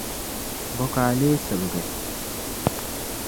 Bɔ ka a lee sibigi?